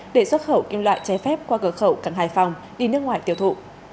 để xuất khẩu kim loại chế phép qua cửa khẩu cần hải phòng đi nước ngoài tiêu thụ